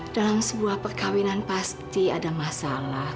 dalam sebuah perkawinan pasti ada masalah